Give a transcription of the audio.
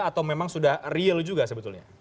atau memang sudah real juga sebetulnya